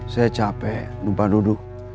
saya capek lupa duduk